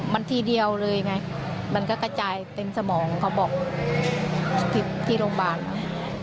มันทีเดียวเลยไงมันก็กระจายเต็มสมองเขาบอกที่โรงพยาบาลไง